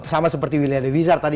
sama seperti wilayah dewi zar tadi